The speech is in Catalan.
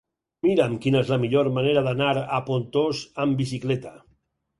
Mira'm quina és la millor manera d'anar a Pontós amb bicicleta.